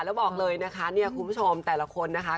แล้วบอกเลยนะคะเนี่ยคุณผู้ชมแต่ละคนนะคะ